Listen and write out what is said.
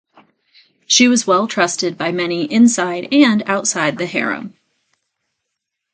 She was well trusted by many inside and outside the harem.